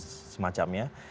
ada pece dan semacamnya